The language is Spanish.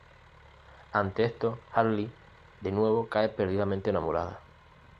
Ante esto, Harley de nuevo cae perdidamente enamorada.